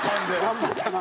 頑張ったな。